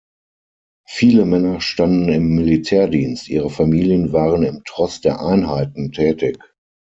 Viele Männer standen im Militärdienst, ihre Familien waren im Tross der Einheiten tätig.